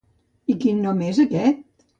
I quin nom és aquest?